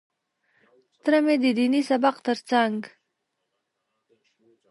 تره مې د ديني سبق تر څنګ.